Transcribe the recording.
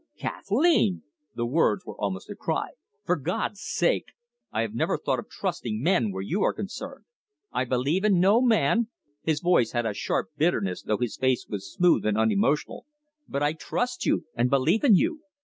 "Kathleen!" The words were almost a cry. "For God's sake! I have never thought of 'trusting' men where you are concerned. I believe in no man" his voice had a sharp bitterness, though his face was smooth and unemotional "but I trust you, and believe in you.